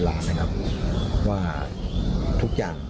และบันดาลที่ที่หน่อย